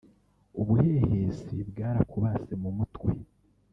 Ubuhehesi bwarakubase mumutwe